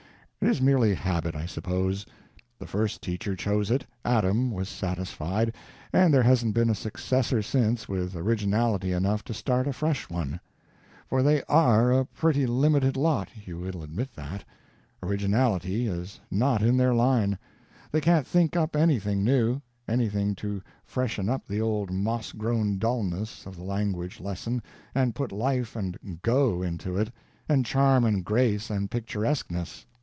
It is merely habit, I suppose; the first teacher chose it, Adam was satisfied, and there hasn't been a successor since with originality enough to start a fresh one. For they _are _a pretty limited lot, you will admit that? Originality is not in their line; they can't think up anything new, anything to freshen up the old moss grown dullness of the language lesson and put life and "go" into it, and charm and grace and picturesqueness.